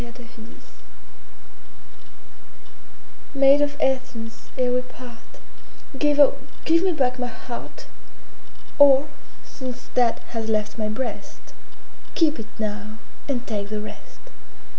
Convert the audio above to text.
Maid of Athens MAID of Athens, ere we part, Give, oh, give me back my heart! Or, since that has left my breast, Keep it now, and take the rest!